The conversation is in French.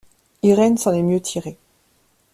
Irène s’en est mieux tirée.